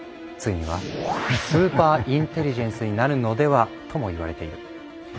ついには「スーパーインテリジェンス」になるのでは？ともいわれている。